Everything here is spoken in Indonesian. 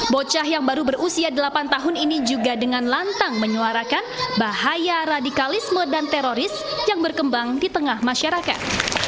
bocah yang baru berusia delapan tahun ini juga dengan lantang menyuarakan bahaya radikalisme dan teroris yang berkembang di tengah masyarakat